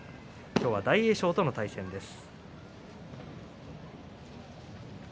今日は大栄翔との対戦です。